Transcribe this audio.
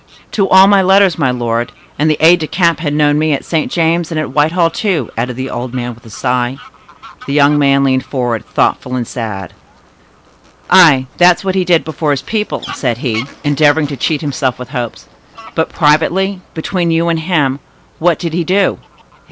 "To all my letters, my lord; and the aide de camp had known me at St. James's and at Whitehall, too," added the old man with a sigh. The young man leaned forward, thoughtful and sad. "Ay, that's what he did before his people," said he, endeavoring to cheat himself with hopes. "But, privately—between you and him—what did he do?